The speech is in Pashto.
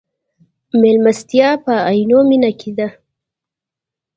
مېلمستیا په عینومېنه کې ده.